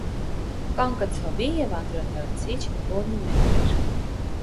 Կան կցովի և անդրադարձիչ գոնիմետրեր։